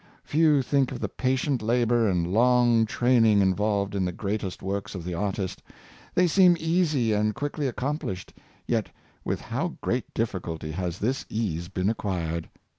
'' Few think of the patient labor and long training involved in the greatest works of the artist. They seem easy and quickly accomplished, yet with how great difficulty has this ease been acquired.